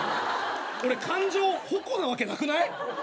俺感情「矛」なわけなくない？